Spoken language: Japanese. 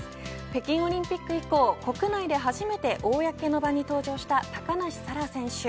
北京オリンピック以降国内で初めて公の場に登場した高梨沙羅選手。